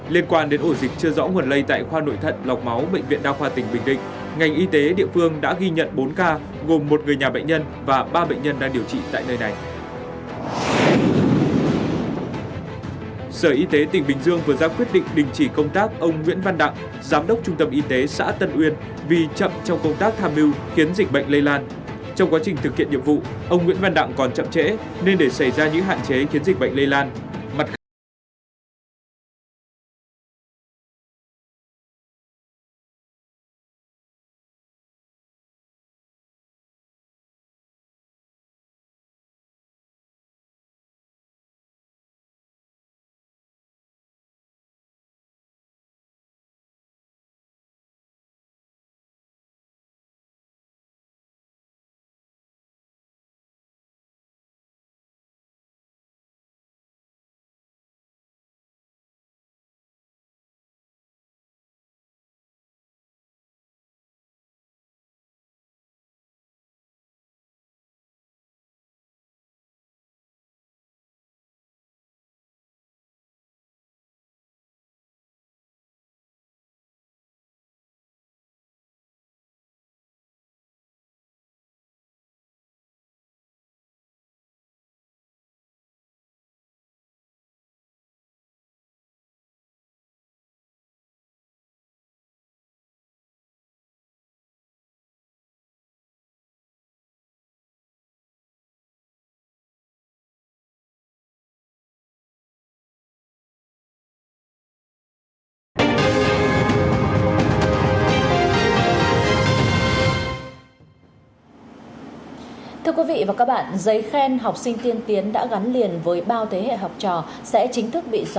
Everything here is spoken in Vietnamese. liên quan đến ổ dịch chưa rõ nguồn lây tại khoa nội thận lọc máu bệnh viện đa khoa tỉnh bình định